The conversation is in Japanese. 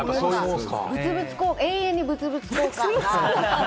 永遠に物々交換が。